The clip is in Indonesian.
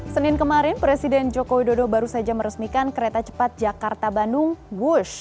senin kemarin presiden joko widodo baru saja meresmikan kereta cepat jakarta bandung wush